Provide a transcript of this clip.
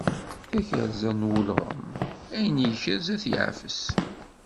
Tayerza n ulɣem, ayen ikrez ad t-yeɛfes.